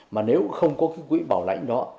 mà nếu không có cái quỹ bảo lãnh đó